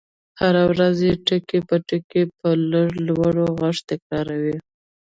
هره ورځ يې ټکي په ټکي په لږ لوړ غږ تکراروئ.